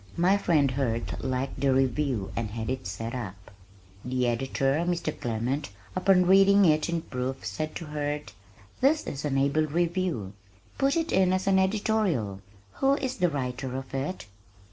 My friend Hurd liked the review and had it set up. The editor, Mr. Clement, upon reading it in proof said to Hurd, "This is an able review. Put it in as an editorial. Who is the writer of it?"